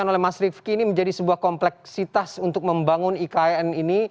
yang oleh mas rifki ini menjadi sebuah kompleksitas untuk membangun ikn ini